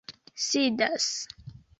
sidas